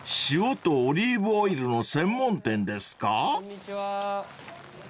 ［塩とオリーブオイルの専門店ですか］